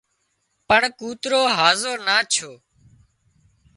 پڻ ڪوترو هازو نا ڇو